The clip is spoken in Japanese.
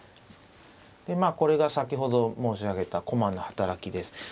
でまあこれが先ほど申し上げた駒の働きです。